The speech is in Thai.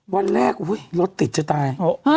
วันแรกรถติดจะตาย